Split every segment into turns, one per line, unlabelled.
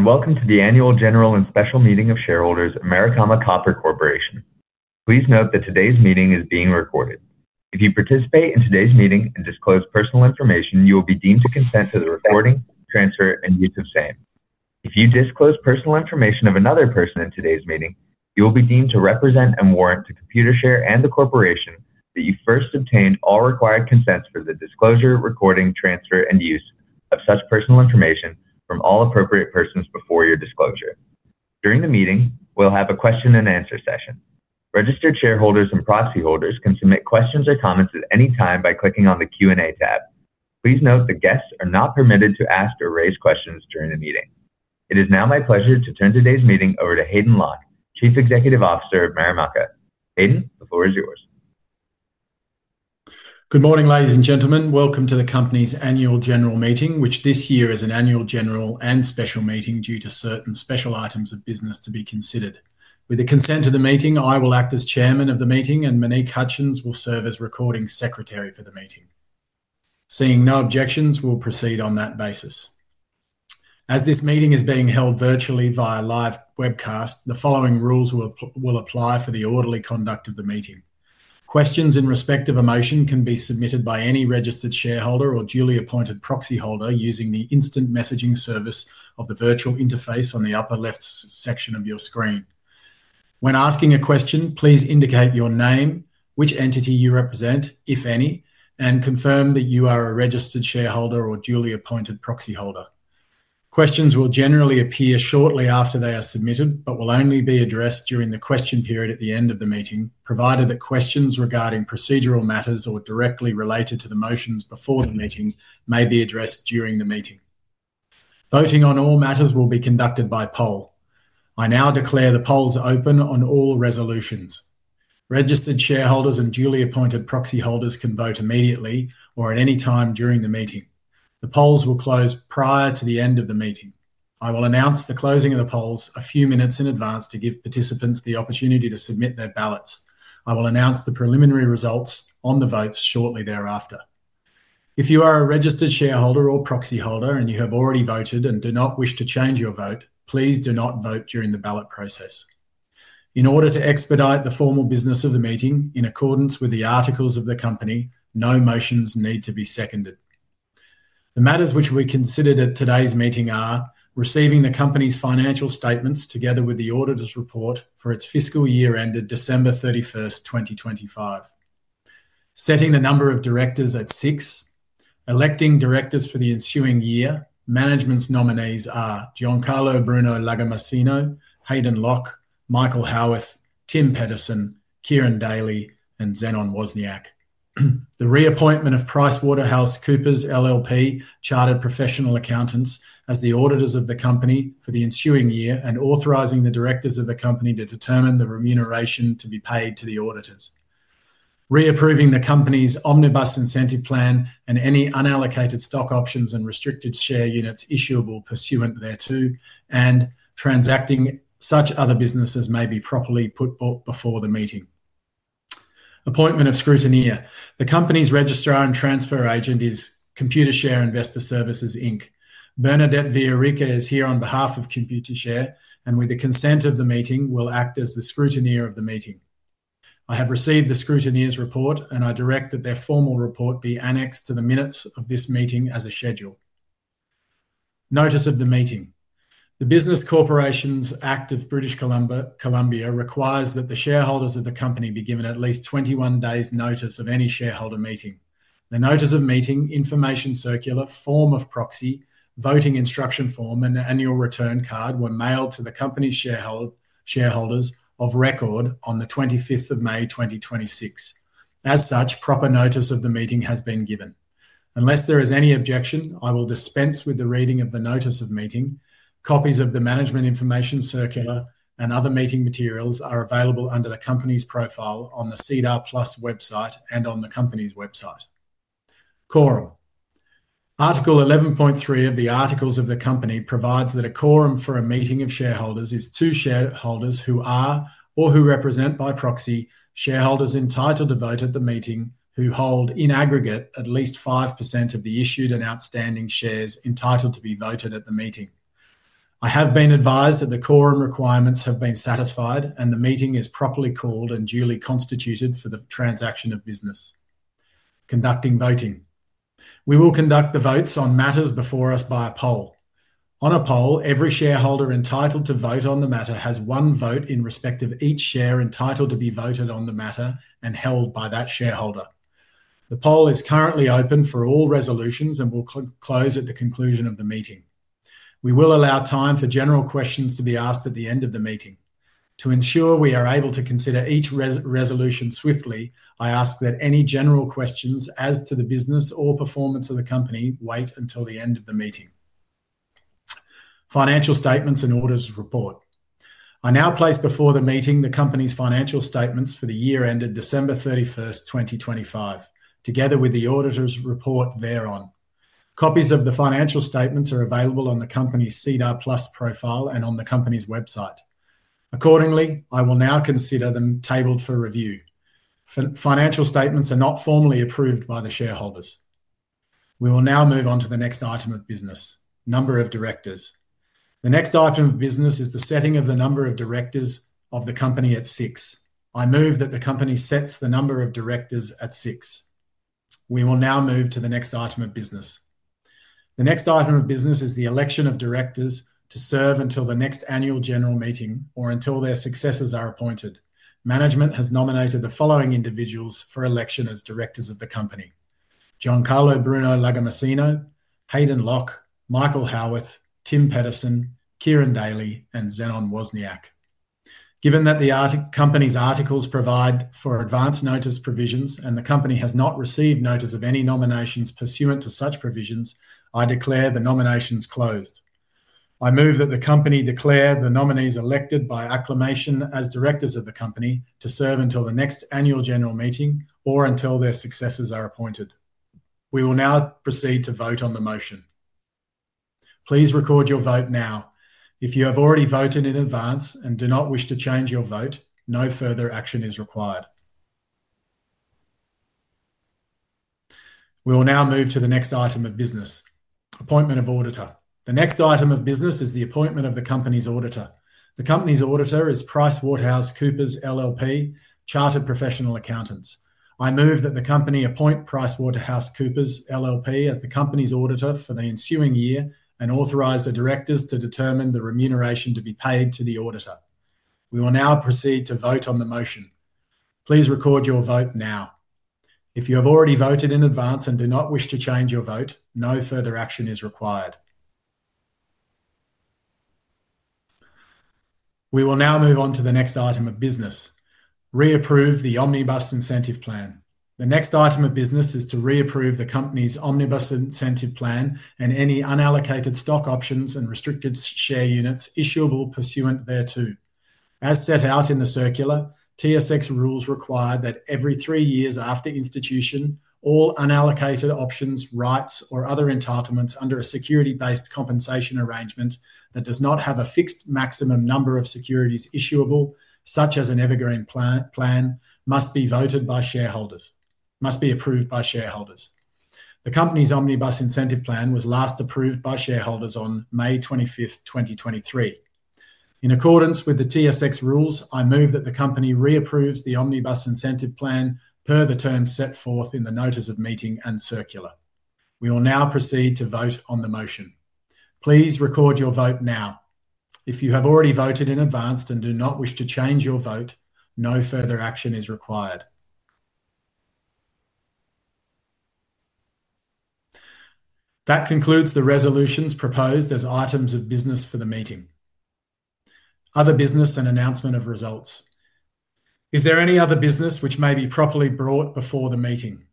Hello, and welcome to the annual general and special meeting of shareholders of Marimaca Copper Corporation. Please note that today's meeting is being recorded. If you participate in today's meeting and disclose personal information, you will be deemed to consent to the recording, transfer, and use of same. If you disclose personal information of another person in today's meeting, you will be deemed to represent and warrant to Computershare and the corporation that you first obtained all required consents for the disclosure, recording, transfer, and use of such personal information from all appropriate persons before your disclosure. During the meeting, we'll have a Q&A session. Registered shareholders and proxy holders can submit questions or comments at any time by clicking on the Q&A tab. Please note that guests are not permitted to ask or raise questions during the meeting. It is now my pleasure to turn today's meeting over to Hayden Locke, Chief Executive Officer of Marimaca. Hayden, the floor is yours.
Good morning, ladies and gentlemen. Welcome to the company's annual general meeting, which this year is an annual general and special meeting due to certain special items of business to be considered. With the consent of the meeting, I will act as Chairman of the meeting, and Monique Hutchins will serve as Recording Secretary for the meeting. Seeing no objections, we'll proceed on that basis. As this meeting is being held virtually via live webcast, the following rules will apply for the orderly conduct of the meeting. Questions in respect of a motion can be submitted by any registered shareholder or duly appointed proxy holder using the instant messaging service of the virtual interface on the upper left section of your screen. When asking a question, please indicate your name, which entity you represent, if any, and confirm that you are a registered shareholder or duly appointed proxy holder. Questions will generally appear shortly after they are submitted but will only be addressed during the question period at the end of the meeting, provided that questions regarding procedural matters or directly related to the motions before the meeting may be addressed during the meeting. Voting on all matters will be conducted by poll. I now declare the polls open on all resolutions. Registered shareholders and duly appointed proxy holders can vote immediately or at any time during the meeting. The polls will close prior to the end of the meeting. I will announce the closing of the polls a few minutes in advance to give participants the opportunity to submit their ballots. I will announce the preliminary results on the votes shortly thereafter. If you are a registered shareholder or proxy holder and you have already voted and do not wish to change your vote, please do not vote during the ballot process. In order to expedite the formal business of the meeting in accordance with the articles of the company, no motions need to be seconded. The matters which we considered at today's meeting are receiving the company's financial statements together with the auditor's report for its fiscal year ended December 31st, 2025. Setting the number of directors at six. Electing directors for the ensuing year. Management's nominees are Giancarlo Bruno Lagomarsino, Hayden Locke, Michael Haworth, Tim Patterson, Kieran Daly, and Zenon Wozniak. The reappointment of PricewaterhouseCoopers LLP Chartered Professional Accountants as the auditors of the company for the ensuing year and authorizing the directors of the company to determine the remuneration to be paid to the auditors. Reapproving the company's Omnibus Incentive Plan and any unallocated stock options and restricted share units issuable pursuant thereto, and transacting such other business as may be properly put before the meeting. Appointment of scrutineer. The company's registrar and transfer agent is Computershare Investor Services Inc. Bernadette Villarica is here on behalf of Computershare, and with the consent of the meeting, will act as the scrutineer of the meeting. I have received the scrutineer's report, and I direct that their formal report be annexed to the minutes of this meeting as a schedule. Notice of the meeting. The Business Corporations Act of British Columbia requires that the shareholders of the company be given at least 21 days notice of any shareholder meeting. The notice of meeting, information circular, form of proxy, voting instruction form, and annual return card were mailed to the company shareholders of record on the 25th of May, 2026. As such, proper notice of the meeting has been given. Unless there is any objection, I will dispense with the reading of the notice of meeting. Copies of the management information circular and other meeting materials are available under the company's profile on the SEDAR+ website and on the company's website. Quorum. Article 11.3 of the articles of the company provides that a quorum for a meeting of shareholders is two shareholders who are, or who represent by proxy, shareholders entitled to vote at the meeting who hold in aggregate at least 5% of the issued and outstanding shares entitled to be voted at the meeting. I have been advised that the quorum requirements have been satisfied, and the meeting is properly called and duly constituted for the transaction of business. Conducting voting. We will conduct the votes on matters before us by a poll. On a poll, every shareholder entitled to vote on the matter has one vote in respect of each share entitled to be voted on the matter and held by that shareholder. The poll is currently open for all resolutions and will close at the conclusion of the meeting. We will allow time for general questions to be asked at the end of the meeting. To ensure we are able to consider each resolution swiftly, I ask that any general questions as to the business or performance of the company wait until the end of the meeting. Financial statements and auditor's report. I now place before the meeting the company's financial statements for the year ended December 31st, 2025, together with the auditor's report thereon. Copies of the financial statements are available on the company's SEDAR+ profile and on the company's website. Accordingly, I will now consider them tabled for review. Financial statements are not formally approved by the shareholders. We will now move on to the next item of business, number of directors. The next item of business is the setting of the number of directors of the company at six. I move that the company sets the number of directors at six. We will now move to the next item of business. The next item of business is the election of directors to serve until the next annual general meeting or until their successors are appointed. Management has nominated the following individuals for election as directors of the company: Giancarlo Bruno Lagomarsino, Hayden Locke, Michael Haworth, Tim Patterson, Kieran Daly, and Zenon Wozniak. Given that the company's articles provide for advance notice provisions, and the company has not received notice of any nominations pursuant to such provisions, I declare the nominations closed. I move that the company declare the nominees elected by acclamation as directors of the company to serve until the next annual general meeting or until their successors are appointed. We will now proceed to vote on the motion. Please record your vote now. If you have already voted in advance and do not wish to change your vote, no further action is required. We will now move to the next item of business, appointment of auditor. The company's auditor is PricewaterhouseCoopers LLP Chartered Professional Accountants. I move that the company appoint PricewaterhouseCoopers LLP as the company's auditor for the ensuing year and authorize the directors to determine the remuneration to be paid to the auditor. We will now proceed to vote on the motion. Please record your vote now. If you have already voted in advance and do not wish to change your vote, no further action is required. We will now move on to the next item of business, reapprove the Omnibus Incentive Plan. The next item of business is to reapprove the company's Omnibus Incentive Plan and any unallocated stock options and restricted share units issuable pursuant thereto. As set out in the circular, TSX rules require that every three years after institution, all unallocated options, rights, or other entitlements under a security-based compensation arrangement that does not have a fixed maximum number of securities issuable, such as an evergreen plan, must be approved by shareholders. The company's Omnibus Incentive Plan was last approved by shareholders on May 25th, 2023. In accordance with the TSX rules, I move that the company reapproves the Omnibus Incentive Plan per the terms set forth in the notice of meeting and circular. We will now proceed to vote on the motion. Please record your vote now. If you have already voted in advance and do not wish to change your vote, no further action is required. That concludes the resolutions proposed as items of business for the meeting. Other business and announcement of results. Is there any other business which may be properly brought before the meeting?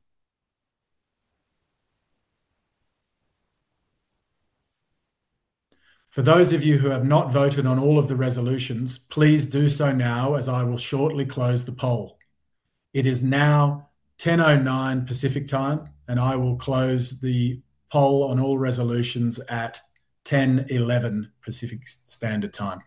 For those of you who have not voted on all of the resolutions, please do so now as I will shortly close the poll. It is now 10:09 A.M. Pacific Time, and I will close the poll on all resolutions at 10:11 A.M. Pacific Standard Time.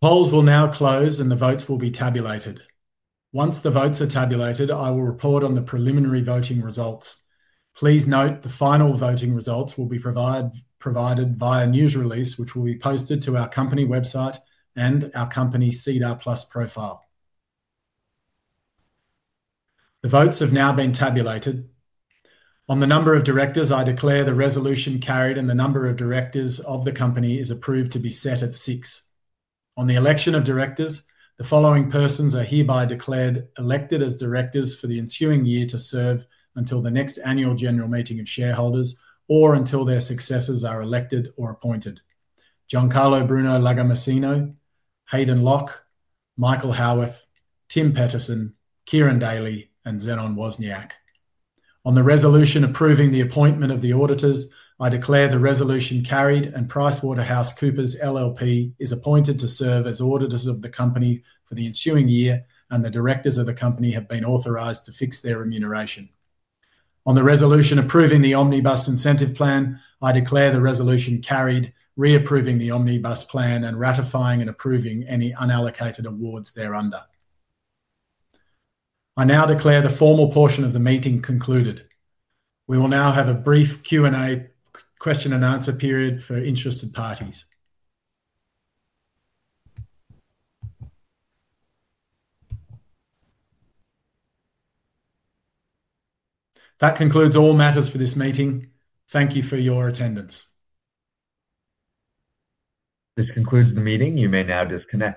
The polls will now close, and the votes will be tabulated. Once the votes are tabulated, I will report on the preliminary voting results. Please note the final voting results will be provided via news release, which will be posted to our company website and our company SEDAR+ profile. The votes have now been tabulated. On the number of directors, I declare the resolution carried, and the number of directors of the company is approved to be set at six. On the election of directors, the following persons are hereby declared elected as directors for the ensuing year to serve until the next annual general meeting of shareholders or until their successors are elected or appointed. Giancarlo Bruno Lagomarsino, Hayden Locke, Michael Haworth, Tim Patterson, Kieran Daly, and Zenon Wozniak. On the resolution approving the appointment of the auditors, I declare the resolution carried, and PricewaterhouseCoopers LLP is appointed to serve as auditors of the company for the ensuing year, and the directors of the company have been authorized to fix their remuneration. On the resolution approving the Omnibus Incentive Plan, I declare the resolution carried, reapproving the Omnibus Plan and ratifying and approving any unallocated awards thereunder. I now declare the formal portion of the meeting concluded. We will now have a brief Q&A, question and answer period for interested parties. That concludes all matters for this meeting. Thank you for your attendance.
This concludes the meeting. You may now disconnect